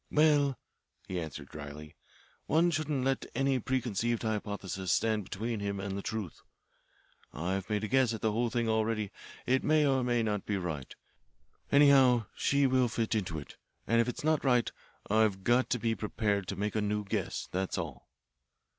"Well," he answered dryly, "one shouldn't let any preconceived hypothesis stand between him and the truth. I've made a guess at the whole thing already. It may or it may not be right. Anyhow she will fit into it. And if it's not right, I've got to be prepared to make a new guess, that's all."